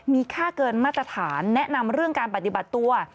มีค่าเกินมาตรฐานแนะนำเรื่องการปฏิบัติตัว